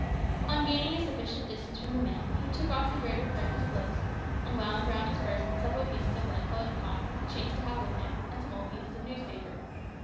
On gaining a sufficient distance from the men, he took off the greater part of his clothes, and wound round his person several pieces of light coloured cotton that he chanced to have with him, and some pieces of old newspaper.